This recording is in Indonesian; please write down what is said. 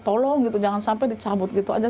tolong gitu jangan sampai dicabut gitu aja